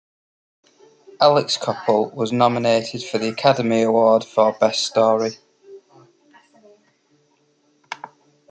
Alec Coppel was nominated for the Academy Award for Best Story.